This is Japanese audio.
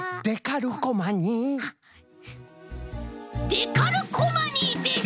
デカルコマニーです！